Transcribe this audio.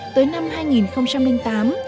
tới năm hai nghìn tám